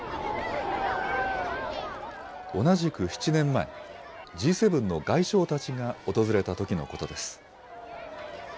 同じく７年前、Ｇ７の外相たちが訪れたときのことです。